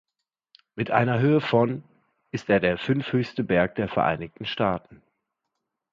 Mit einer Höhe von ist er der fünfthöchste Berg der Vereinigten Staaten.